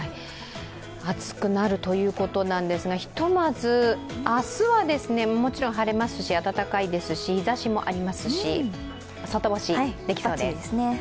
暑くなるということなんですが、ひとまず明日はもちろん晴れますし暖かいですし、日ざしもありますし外干しできそうです。